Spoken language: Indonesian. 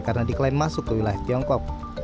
karena diklaim masuk ke wilayah tiongkok